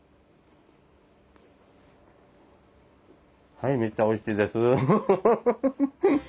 はいめっちゃおいしいです。